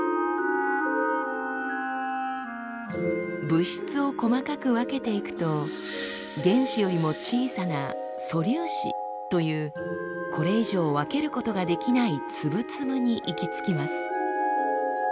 物質を細かく分けていくと原子よりも小さな「素粒子」というこれ以上分けることができない粒々に行き着きます。